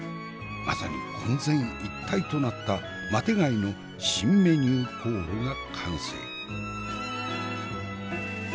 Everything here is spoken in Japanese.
まさに渾然一体となったマテ貝の新メニュー候補が完成。